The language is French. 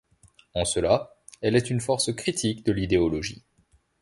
En cela, elle est une force critique de l'idéologie.